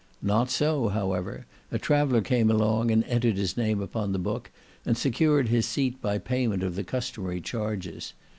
Not so, however; a traveller came along, and entered his name upon the book, and secured his seat by payment of the customary charges.